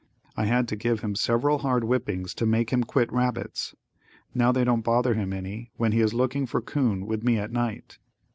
I had to give him several hard whippings to make him quit rabbits. Now they don't bother him any when he is looking for 'coon with me at night.